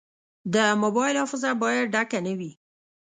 د موبایل حافظه باید ډکه نه وي.